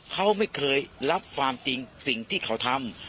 เขาไม่เคยรับความจริงสิ่งที่เขาทำ